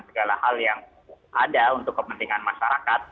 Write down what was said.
segala hal yang ada untuk kepentingan masyarakat